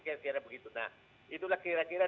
kira kira begitu nah itulah kira kira